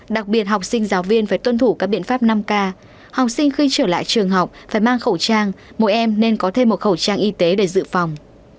đặc biệt học sinh giáo viên phải tuân thủ các biện pháp năm k học sinh khi trở lại trường học phải mang khẩu trang mỗi em nên có thêm một khẩu trang y tế để dự phòng